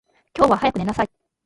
今日は早く寝なさい。